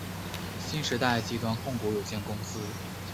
新时代集团控股有限公司。